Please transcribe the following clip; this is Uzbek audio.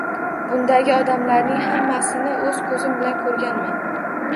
Bundagi odamlarning hammasini o‘z ko‘zim bilan ko‘rganman.